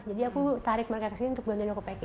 jadi aku tarik mereka ke sini untuk gantiin aku packing